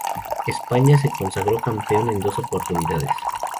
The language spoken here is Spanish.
España se consagró campeón en dos oportunidades.